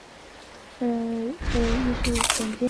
现为爆炸戏棚创办人及艺术总监。